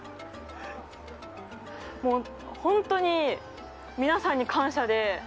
もう、本当に皆さんに感謝で。